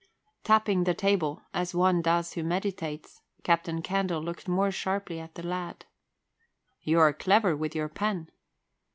Tapping the table, as one does who meditates, Captain Candle looked more sharply at the lad. "You are clever with your pen."